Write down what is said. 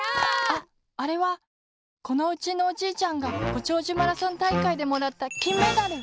ああれはこのうちのおじいちゃんがごちょうじゅマラソンたいかいでもらったきんメダル！